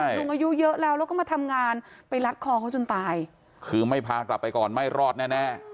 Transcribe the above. อายุเยอะแล้วแล้วก็มาทำงานไปรัดคอเขาจนตายคือไม่พากลับไปก่อนไม่รอดแน่แน่